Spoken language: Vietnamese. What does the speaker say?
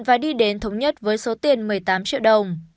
và đi đến thống nhất với số tiền một mươi tám triệu đồng